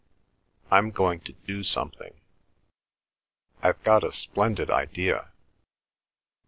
"I'm going to do something. I've got a splendid idea.